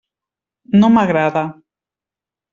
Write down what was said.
No m'agrada.